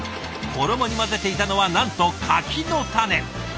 衣に混ぜていたのはなんと柿の種。